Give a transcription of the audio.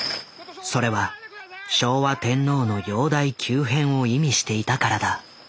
それは昭和天皇の容体急変を意味していたからだ。